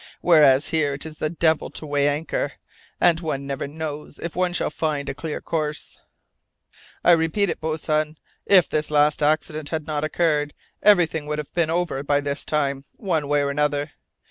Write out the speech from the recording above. Whereas here it is the devil to weigh anchor, and one never knows if one shall find a clear course." "I repeat it, boatswain. If this last accident had not occurred, everything would have been over by this time, one way or another.